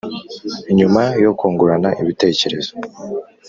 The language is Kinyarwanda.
Nyuma yo kungurana ibitekerezo